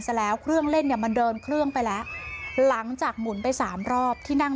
ซะแล้วเครื่องเล่นเนี่ยมันเดินเครื่องไปแล้วหลังจากหมุนไปสามรอบที่นั่ง